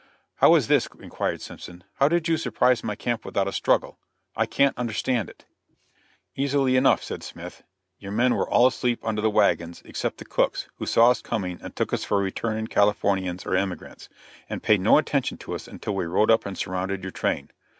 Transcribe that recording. "How is this?" inquired Simpson. "How did you surprise my camp without a struggle? I can't understand it." "Easily enough," said Smith; "your men were all asleep under the wagons, except the cooks, who saw us coming and took us for returning Californians or emigrants, and paid no attention to us until we rode up and surrounded your train.